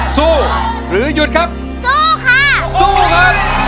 สู้หรือหยุดครับสู้ค่ะสู้ครับ